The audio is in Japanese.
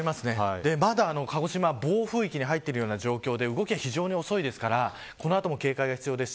まだ鹿児島は暴風域に入っている状況で動きが非常に遅いですから警戒がこの後も必要です。